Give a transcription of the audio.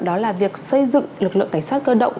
đó là việc xây dựng lực lượng cảnh sát cơ động